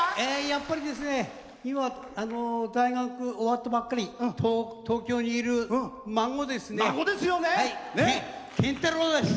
やっぱり大学終わったばっかり東京にいる孫ですね。